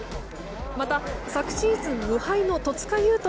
また、昨シーズン無敗の戸塚優